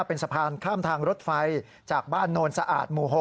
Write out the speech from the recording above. เป็นสะพานข้ามทางรถไฟจากบ้านโนนสะอาดหมู่๖